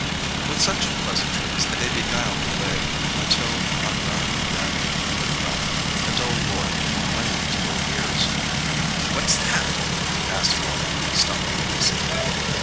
With such pleasantries they beguiled the way, until, on rounding a bend in the track, a dull roar came plainly to their ears. "What's that?" asked Wally, stopping to listen.